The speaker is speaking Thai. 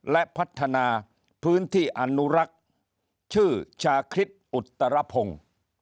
และพัฒนาพื้นที่อนุรักษ์ชื่อชาคริสอุตรพงศ์